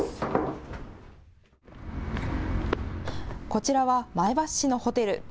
こちらは前橋市のホテル。